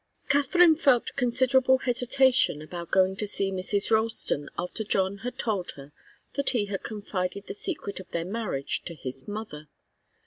Katharine felt considerable hesitation about going to see Mrs. Ralston after John had told her that he had confided the secret of their marriage to his mother.